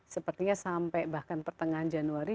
sepertinya sampai bahkan pertengahan januari